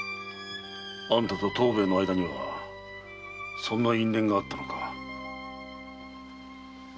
あんたと藤兵衛の間にはそんな因縁があったのか。